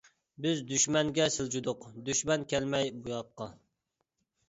بىز دۈشمەنگە سىلجىدۇق، دۈشمەن كەلمەي بۇياققا.